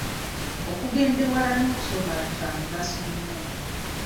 Okugenda ewala n’okusoma kya mugaso nnyo.